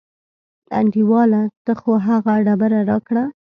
انډیواله ته خو هغه ډبره راکړه.